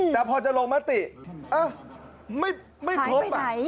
แต่พอจะลงมติไม่ครบ